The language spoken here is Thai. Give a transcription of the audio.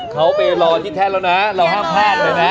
เขาไปรอที่แท่นแล้วนะเราห้ามพลาดเลยนะ